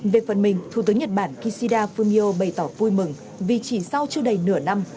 về phần mình thủ tướng nhật bản kishida fumio bày tỏ vui mừng vì chỉ sau chưa đầy nửa năm